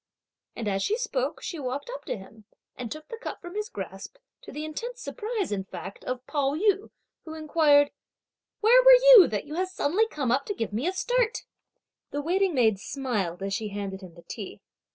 And as she spoke, she walked up to him, and took the cup from his grasp, to the intense surprise, in fact, of Pao yü, who inquired: "Where were you that you have suddenly come to give me a start?" The waiting maid smiled as she handed him the tea.